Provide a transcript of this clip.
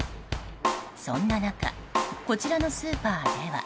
そんな中こちらのスーパーでは。